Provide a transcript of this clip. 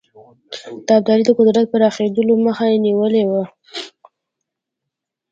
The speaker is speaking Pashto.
د ابدالي د قدرت پراخېدلو مخه نیولې وه.